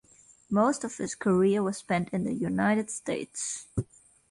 Most of his career was spent in the United States.